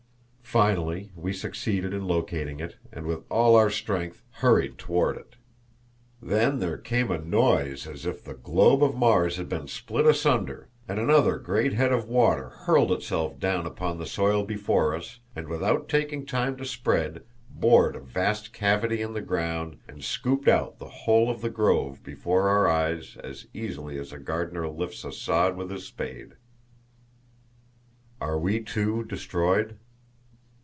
Finally we succeeded in locating it, and with all our strength hurried toward it. Then there came a noise as if the globe of Mars had been split asunder, and another great head of water hurled itself down upon the soil before us, and, without taking time to spread, bored a vast cavity in the ground, and scooped out the whole of the grove before our eyes as easily as a gardener lifts a sod with his spade. Are We, Too, Destroyed?